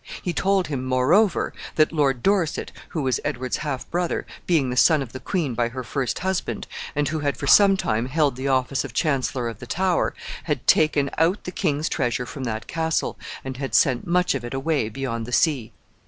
He told him, moreover, that Lord Dorset, who was Edward's half brother, being the son of the queen by her first husband, and who had for some time held the office of Chancellor of the Tower, had taken out the king's treasure from that castle, and had sent much of it away beyond the sea.